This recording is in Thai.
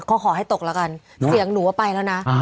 ก็ขอให้ตกแล้วกันเสียงหนูว่าไปแล้วนะ